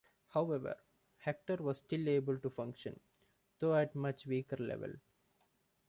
However, Hactar was still able to function, though at a much weaker level.